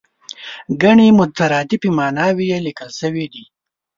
ګڼې مترادفې ماناوې یې لیکل شوې دي.